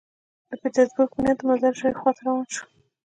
د پیټرزبورګ په نیت د مزار شریف خوا ته روان شو.